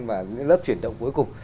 và những lớp chuyển động cuối cùng